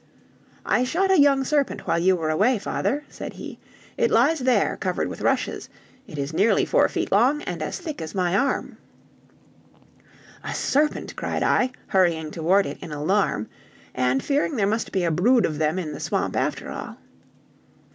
"I shot a young serpent while you were away, father," said he. "It lies there covered with rushes; it is nearly four feet long, and as thick as my arm." "A serpent!" cried I, hurrying toward it in alarm, and fearing there must be a brood of them in the swamp after all.